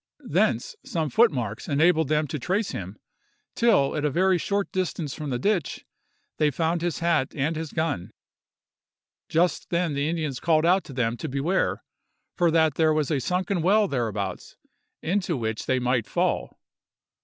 Thence some footmarks enabled them to trace him, till, at a very short distance from the ditch, they found his hat and his gun. Just then the Indians called out to them to beware, for that there was a sunken well thereabouts, into which they might fall.